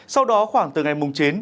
sau đó khoảng từ ngày mùng chín